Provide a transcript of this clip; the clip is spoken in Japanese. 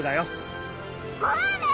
ゴール？